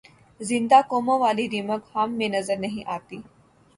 زندہ قوموں والی رمق ہم میں نظر نہیں آتی۔